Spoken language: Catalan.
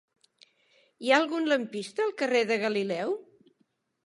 Hi ha algun lampista al carrer de Galileu?